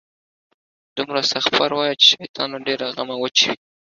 دومره استغفار وایه، چې شیطان له ډېره غمه وچوي